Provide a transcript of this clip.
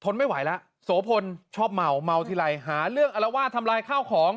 ไม่ไหวแล้วโสพลชอบเมาเมาทีไรหาเรื่องอลวาดทำลายข้าวของ